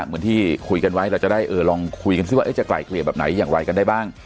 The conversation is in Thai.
เหมือนที่คุยกันไว้เราจะได้ลองคุยกันซิว่าจะไกลเกลี่ยแบบไหนอย่างไรกันได้บ้าง